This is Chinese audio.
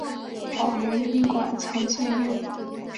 好园宾馆曾借用该院的南半部分。